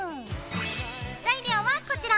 材料はこちら。